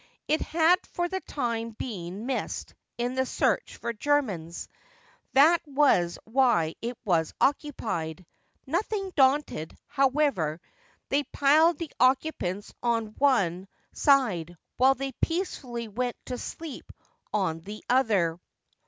It had for the time been missed in the search for Germans; that was why it was occupied. Nothing daunted, however, they piled the occupants on one 174 THE AFTERMATH side, while they peacefully went to sleep on the other.